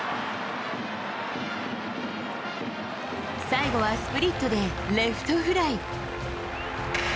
最後はスプリットでレフトフライ。